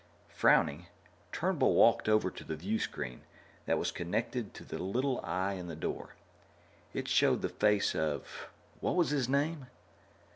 Frowning, Turnbull walked over to the viewscreen that was connected to the little eye in the door. It showed the face of what was his name?